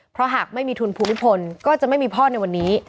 เพราะหากไม่มีทุนภูมิพลก็จะไม่มีพ่อในวันนี้